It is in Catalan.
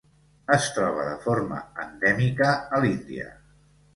Es troba de forma endèmica a l'Índia.